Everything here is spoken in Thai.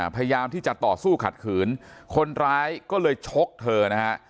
พยายามที่จะต่อสู้ขัดขืนคนร้ายก็เลยชกเธอนะฮะ